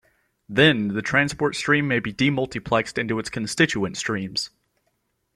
Then, the transport stream may be demultiplexed into its constituent streams.